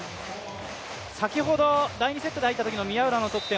先ほど、第２セットで入ったときの宮浦の得点